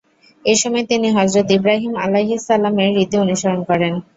এ সময় তিনি হযরত ইব্রাহীম আলাইহিস সালাম-এর রীতি অনুসরণ করেন।